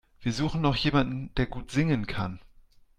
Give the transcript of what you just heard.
Wir suchen noch jemanden, der gut singen kann.